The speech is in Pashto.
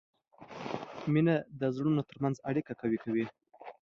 مینه د زړونو ترمنځ اړیکه قوي کوي.